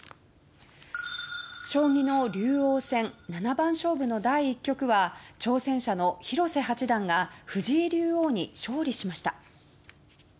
将棋の竜王戦七番勝負の第１局は挑戦者の広瀬八段が藤井竜王に勝利しました。